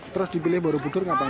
terus dipilih borobudur kenapa